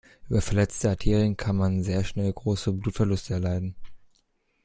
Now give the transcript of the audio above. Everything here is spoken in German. Über verletzte Arterien kann man sehr schnell große Blutverluste erleiden.